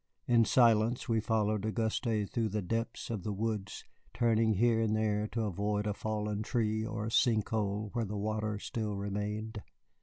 In silence we followed Auguste through the depths of the woods, turning here and there to avoid a fallen tree or a sink hole where the water still remained.